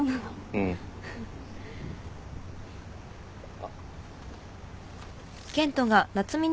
うん。あっ。